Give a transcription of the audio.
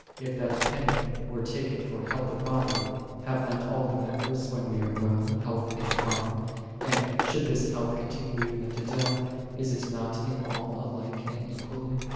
If that penny were taken for health of body, have not all the members, when we are well, health in com mon; and, should this health continue even unto death, is it not in all alike and equally?